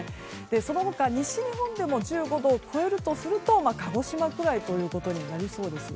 その他、西日本でも１５度を超えるとすると鹿児島くらいということになりそうです。